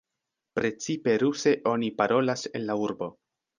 Precipe ruse oni parolas en la urbo.